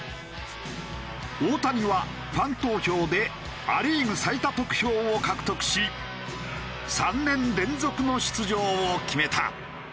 大谷はファン投票でア・リーグ最多得票を獲得し３年連続の出場を決めた。